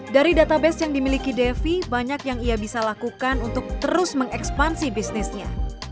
dari database yang dimiliki devi banyak yang ia bisa lakukan untuk terus mengekspansi bisnisnya